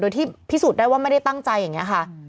โดยที่พิสูจน์ได้ว่าไม่ได้ตั้งใจอย่างนี้ค่ะ